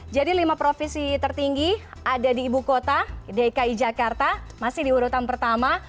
jadi lima provinsi tertinggi ada di ibu kota dki jakarta masih diurutan pertama